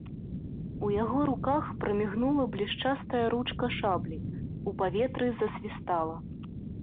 У яго руках прамігнула блішчастая ручка шаблі, у паветры засвістала.